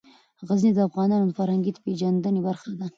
غزني د افغانانو د فرهنګي پیژندنې برخه ده.